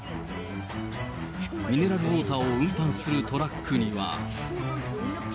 ミネラルウォーターを運搬するトラックには。